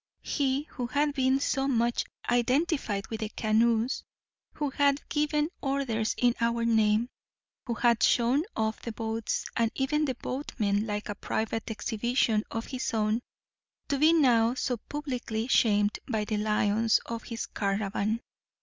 He who had been so much identified with the canoes, who had given orders in our name, who had shown off the boats and even the boatmen like a private exhibition of his own, to be now so publicly shamed by the lions of his caravan!